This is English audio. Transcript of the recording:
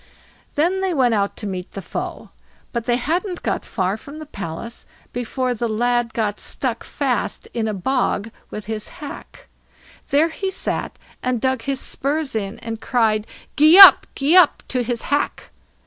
Then they went out to meet the foe; but they hadn't got far from the palace before the lad got stuck fast in a bog with his hack. There he sat and dug his spurs in, and cried, "Gee up, gee up!" to his hack.